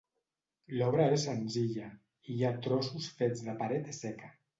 L'obra és senzilla, i hi ha trossos fets de paret seca.